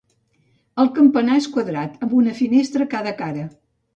El campanar és quadrat, amb una finestra a cada cara.